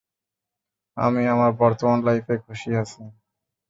আমি আমার বর্তমান লাইফে খুশি আছি।